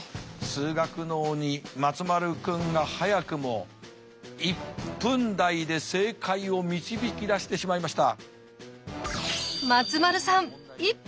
数学の鬼松丸君が早くも１分台で正解を導き出してしまいました。